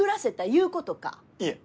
いえ！